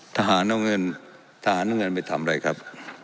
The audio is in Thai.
ทหารเอาเงินทหารเอาเงินไปทำอะไรครับ